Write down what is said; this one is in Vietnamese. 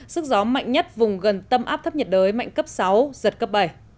sức gió mạnh nhất vùng gần tâm áp thấp nhiệt đới mạnh cấp sáu giật cấp bảy